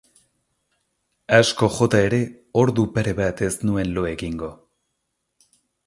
Asko jota ere, ordu pare bat ez nuen lo egingo.